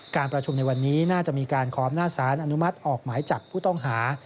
การประชุมในวันนี้น่าจะมีการขออำนาจสารอนุมัติออกหมายจับผู้ต้องหา